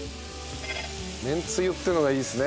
めんつゆってのがいいですね。